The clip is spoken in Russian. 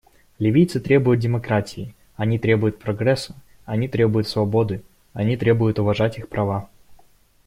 Ливийцы требуют демократии, они требуют прогресса, они требуют свободы, они требуют уважать их права.